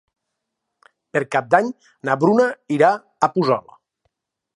Per Cap d'Any na Bruna irà a Puçol.